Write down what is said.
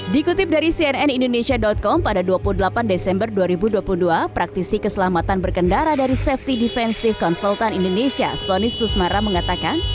dikutip dari cnn indonesia com pada dua puluh delapan desember dua ribu dua puluh dua praktisi keselamatan berkendara dari safety defensive consultant indonesia sony susmara mengatakan